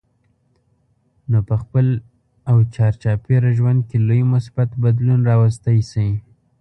نو په خپل او چار چاپېره ژوند کې لوی مثبت بدلون راوستی شئ.